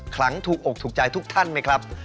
ครั้งถูกอกถูกใจทุกท่านไหมครับ